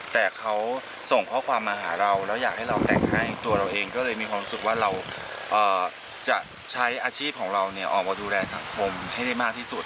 แต่เขาส่งข้อความมาหาเราแล้วอยากให้เราแต่งให้ตัวเราเองก็เลยมีความรู้สึกว่าเราจะใช้อาชีพของเราออกมาดูแลสังคมให้ได้มากที่สุด